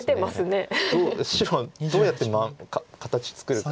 白はどうやって形作るか。